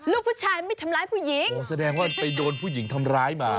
ลูกผู้ชายไม่ทำร้ายผู้หญิงโอ้แสดงว่าไปโดนผู้หญิงทำร้ายมา